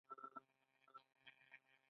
د اله سای غرونه لوړ دي